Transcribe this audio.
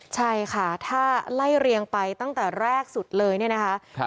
ใช่ค่ะถ้าไล่เรียงไปตั้งแต่แรกสุดเลยเนี่ยนะคะ